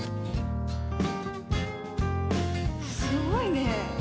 すごいね。